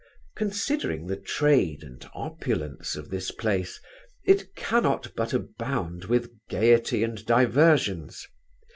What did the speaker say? Considering the trade and opulence of this place, it cannot but abound with gaiety and diversions.